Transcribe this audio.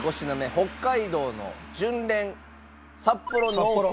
北海道の純連札幌濃厚